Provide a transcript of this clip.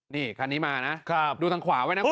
นี่คันนี้มานะครับดูทางขวาไว้นะ